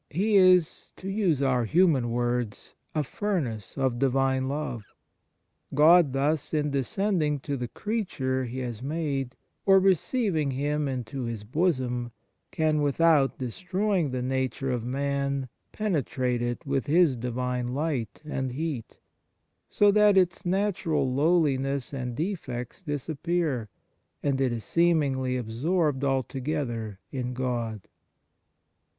He is, to use our human words, a furnace of Divine love. God thus, in descending to the creature He has made, or receiving him into His bosom, can without destroy ing the nature of man penetrate it with His Divine light and heat, so that its natural lowliness and defects disappear, and it is seemingly absorbed altogether in God.